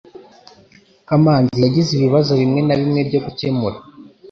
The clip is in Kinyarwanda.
Kamanzi yagize ibibazo bimwe na bimwe byo gukemura